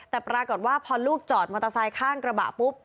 แต่ปรากฏว่าพอลูกจอดมอเตอร์ไซค์ข้างกระบะปุ๊บ